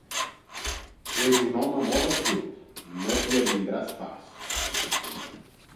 És un home molt eixut: no t'hi avindràs pas!